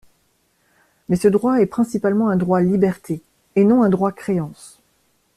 Mais ce droit est principalement un droit-liberté, et non un droit-créance.